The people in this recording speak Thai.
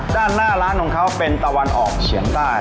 ด้านหน้าร้านของเขาเป็นตะวันออกเฉียงใต้